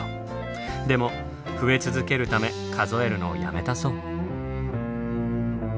でも増え続けるため数えるのをやめたそう。